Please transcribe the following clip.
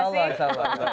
insya allah insya allah